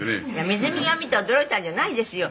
「水着を見て驚いたんじゃないですよ」